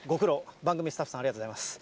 番組スタッフさん、ありがとうございます。